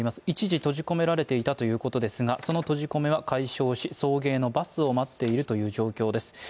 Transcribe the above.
一時閉じ込められていたということですが、その閉じ込めは解消し送迎のバスを待っているという状況です。